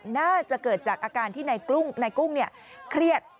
น่าจะเกิดจากอาการที่นายกุ้งเครียด